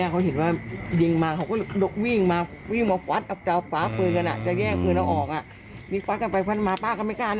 บุญแรกเหมือนตรงโญที้มาปราการพระอเมริกา